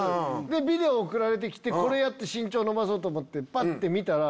ビデオ送られて来て身長伸ばそうと思ってぱって見たら。